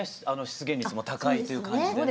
出現率も高いという感じで。